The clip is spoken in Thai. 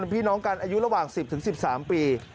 พี่น้องกันอายุระหว่าง๑๐๑๓ปี